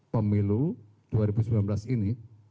pemilu dua ribu sembilan belas ini